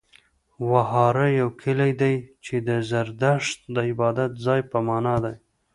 وهاره يو کلی دی، چې د زرتښت د عبادت ځای په معنا دی.